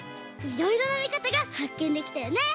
いろいろなみかたがはっけんできたよね！